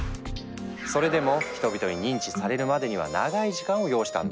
それでも人々に認知されるまでには長い時間を要したんだ。